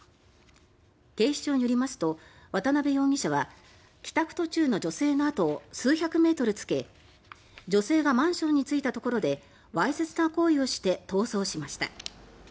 警視庁によりますと渡辺容疑者は帰宅途中の女性の後を数百メートルつけ女性がマンションに着いたところでわいせつな行為をして逃走しました。